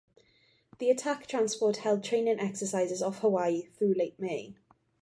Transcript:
The attack transport held training exercises off Hawaii through late May.